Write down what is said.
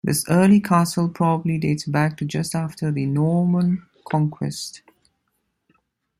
This early castle probably dates back to just after the Norman Conquest.